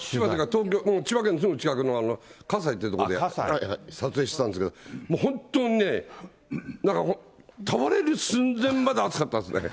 千葉県のすぐ近くの葛西という所で撮影してたんですけど、もう本当にね、なんか倒れる寸前まで暑かったですね。